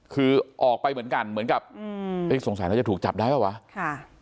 คือออกไปเหมือนกันเหมือนกับสงสัยแล้วจะถูกจับได้เปล่าวะค่ะ